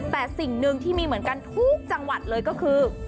แต่สิ่งหนึ่งที่มีเหมือนกันทุกจังหวัดเลยก็คือ